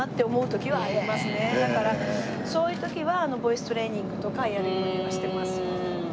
だからそういう時はボイストレーニングとかやるようにはしてます。